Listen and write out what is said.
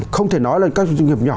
không thể nói là các doanh nghiệp nhỏ